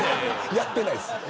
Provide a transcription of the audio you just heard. やってないです。